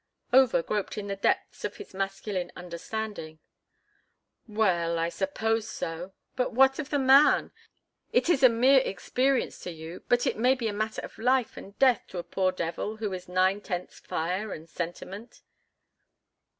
Over groped in the depths of his masculine understanding. "Well, I suppose so. But what of the man? It is a mere experience to you, but it may be a matter of life and death to a poor devil who is nine tenths fire and sentiment."